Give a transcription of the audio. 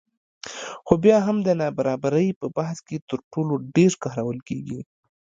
خو بیا هم د نابرابرۍ په بحث کې تر ټولو ډېر کارول کېږي